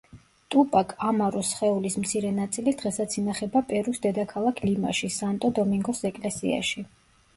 ტუპაკ ამარუს სხეულის მცირე ნაწილი დღესაც ინახება პერუს დედაქალაქ ლიმაში, სანტო-დომინგოს ეკლესიაში.